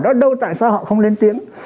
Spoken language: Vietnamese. hỏi đó đâu tại sao họ không lên tiếng